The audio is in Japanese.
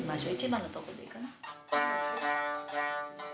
１番のとこでいいかな。